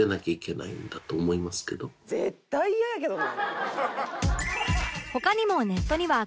絶対嫌やけどな。